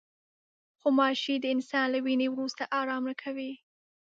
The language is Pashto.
غوماشې د انسان له وینې وروسته آرام نه کوي.